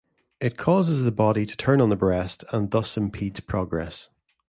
It causes the body to turn on the breast, and thus impedes progress.